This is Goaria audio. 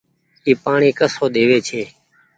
اي پآڻيٚ ڪسو ۮيوي ڇي۔